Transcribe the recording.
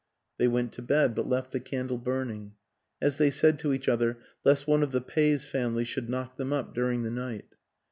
They went to bed, but left the candle burning as they said to each other, lest one of the Peys family should knock them up during the night.